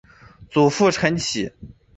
祖父陈启。